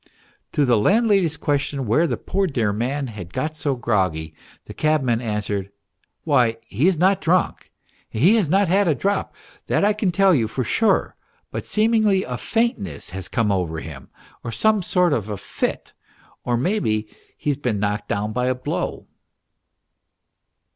To the landlady's question where the poor dear man had got so groggy, the cabman answered :" Why, he is not drunk and has not had a drop, that I can tell you, for sure ; but seemingly a faintness has come over him, or some sort of a fit, or maybe he's been knocked down b) T a blow."